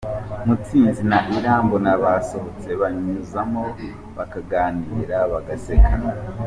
Mutsinzi na Irambona basohotse banyuzamo bakaganira bagaseka